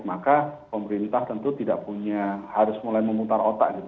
maka pemerintah tentu tidak punya harus mulai memutar otak gitu